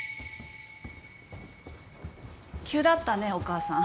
急だったねお母さん。